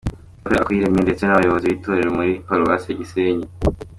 Claver Akoyiremeye ndetse n’abayobozi b’itorero muri Paruwasi ya Gisenyi.